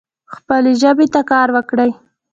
خپلي ژبي ته کار وکړئ.